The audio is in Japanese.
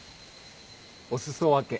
お裾分け。